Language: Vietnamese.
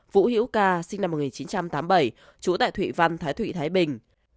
vũ hiễu ca sinh năm một nghìn chín trăm tám mươi bảy trú tại thủy văn thái thụy thái bình